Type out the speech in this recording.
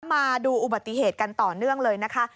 มาดูอุบัติเหตุกันต่อเนื่องเลยนะคะ